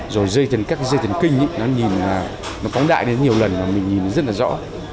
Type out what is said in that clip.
rồi các cái dây chân kinh nó nhìn nó phóng đại đến nhiều lần mà mình nhìn nó rất là rõ